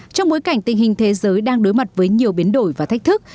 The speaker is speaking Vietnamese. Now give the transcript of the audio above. trong bối cảnh tình hình thế giới đang đối mặt với nhiều biến đổi và thách thức